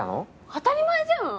当たり前じゃん！